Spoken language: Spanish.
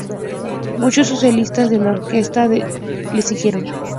Muchos solistas de la orquesta le siguieron.